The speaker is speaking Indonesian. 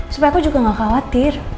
supaya aku juga gak khawatir